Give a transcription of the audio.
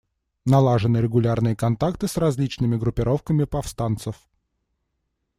Налажены регулярные контакты с различными группировками повстанцев.